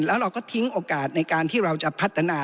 แล้วเราก็ทิ้งโอกาสในการที่เราจะพัฒนา